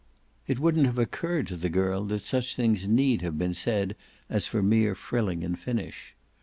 It wouldn't have occurred to the girl that such things need have been said as for mere frilling and finish.